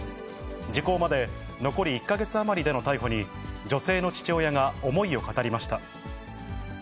時効まで残り１か月余りでの逮捕に、女性の父親が思いを語りました。